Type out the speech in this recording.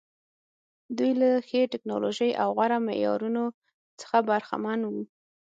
دوی له ښې ټکنالوژۍ او غوره معیارونو څخه برخمن وو.